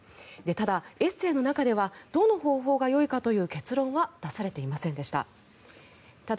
ただ、エッセーの中ではどの方法がよいかという結論は出されていませんでした。